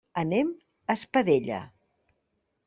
Anem a Espadella.